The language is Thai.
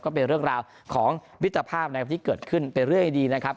ก็เป็นเรื่องราวของมิตรภาพนะครับที่เกิดขึ้นเป็นเรื่องดีนะครับ